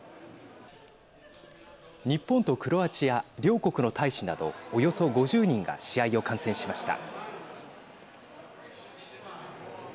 日本とクロアチア両国の大使などおよそ５０人が試合を観戦しました。